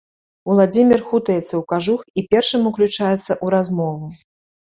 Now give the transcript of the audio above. Уладзімір хутаецца ў кажух і першым уключаецца ў размову.